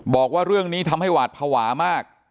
บอกว่าเรื่องนี้ทำให้หวาดภาวะมาก